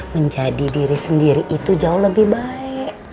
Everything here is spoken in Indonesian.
menjadi diri sendiri itu jauh lebih baik